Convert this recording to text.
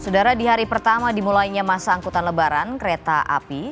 saudara di hari pertama dimulainya masa angkutan lebaran kereta api